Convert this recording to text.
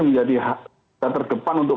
menjadi yang terdepan untuk